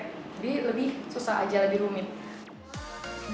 jadi lebih susah aja lebih rumit